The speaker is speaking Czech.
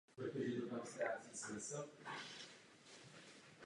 Proto se jim daří zabavovat větší množství drog.